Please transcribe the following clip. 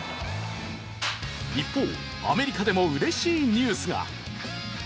一方、アメリカでもうれしいニュースが。